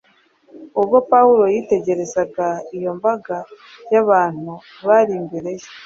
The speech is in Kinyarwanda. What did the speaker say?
Ubwo Pawulo yitegereza iyo mbaga y’abantu bari imbere ye,